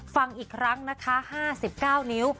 ฟังอีกครั้งนะคะ๕๙นิ้ว